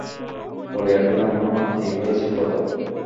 বলিয়া উঠিল, মামা, কী হইয়াছে বলো।